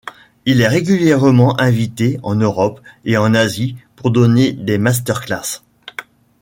Il est régulièrement invité en Europe et en Asie pour donner des master-classes.